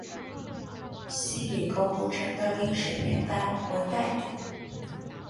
希里沟古城的历史年代为待定。